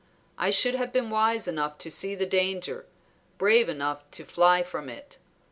I should have been wise enough to see the danger, brave enough to fly from it.